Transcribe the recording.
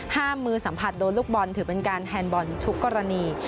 มือสัมผัสโดนลูกบอลถือเป็นการแฮนดบอลทุกกรณี